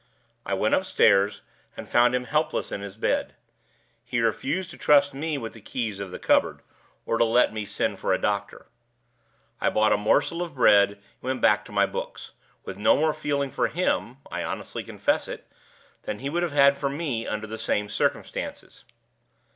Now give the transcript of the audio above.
I went upstairs, and found him helpless in his bed. He refused to trust me with the keys of the cupboard, or to let me send for a doctor. I bought a morsel of bread, and went back to my books, with no more feeling for him (I honestly confess it) than he would have had for me under the same circumstances.